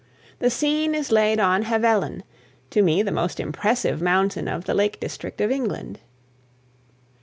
The scene is laid on Helvellyn, to me the most impressive mountain of the Lake District of England.